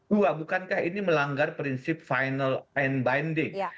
dua bukankah ini melanggar prinsip final and binding